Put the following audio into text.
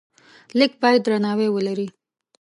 لیک باید درناوی ولري.